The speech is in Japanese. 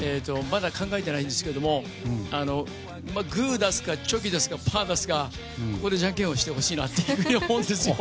まだ考えてないんですけどグーを出すかチョキを出すか、パーを出すかジャンケンをしてほしいなと思うんですよ。